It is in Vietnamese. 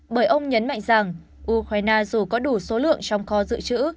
bởi ông nhấn mạnh rằng ukraine dù có đủ số lượng trong kho dự trữ